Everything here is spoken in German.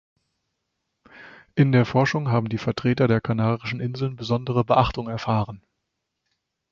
In der Forschung haben die Vertreter der Kanarischen Inseln besondere Beachtung erfahren.